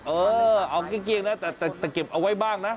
เออเอาเกลี้ยงนะแต่เก็บเอาไว้บ้างนะ